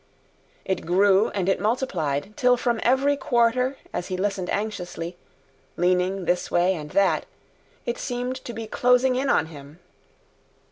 It grew and it multiplied, till from every quarter as he listened anxiously, leaning this way and that, it seemed to be closing in on him.